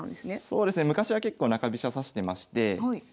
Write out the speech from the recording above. そうですね昔は結構中飛車指してまして。